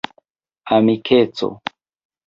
amikeco